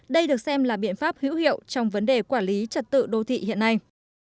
đây được xem là biện pháp hữu hiệu trong vấn đề quản lý trật tự đô thị hiện nay